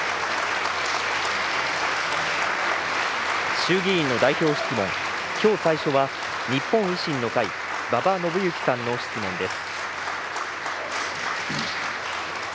衆議院の代表質問、きょう最初は日本維新の会、馬場伸幸さんの質問です。